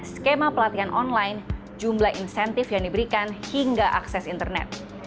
skema pelatihan online jumlah insentif yang diberikan hingga akses internet